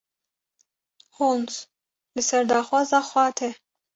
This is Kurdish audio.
Holmes: Li ser daxwaza xweha te.